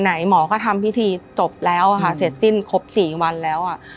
หมอก็ทำพิธีจบแล้วค่ะเสร็จสิ้นครบ๔วันแล้วอ่ะ